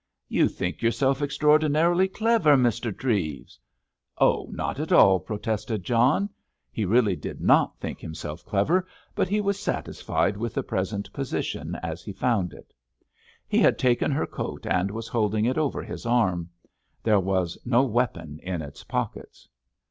"You think yourself extraordinarily clever, Mr. Treves!" "Oh! not at all!" protested John. He really did not think himself clever, but he was satisfied with the present position as he found it. He had taken her coat, and was holding it over his arm. There was no weapon in its pockets.